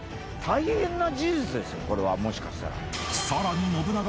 これはもしかしたら。